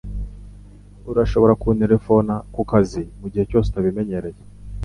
Urashobora kunterefona kukazi mugihe cyose utabimenyereye